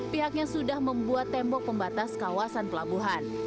pihaknya sudah membuat tembok pembatas kawasan pelabuhan